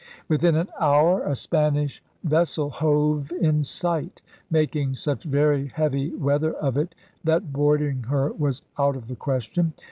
Within an hour a Spanish vessel hove in sight, making such very heavy weather of it that boarding her was out of the question.